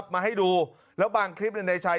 มาให้ดูแล้วบางคลิปในชาย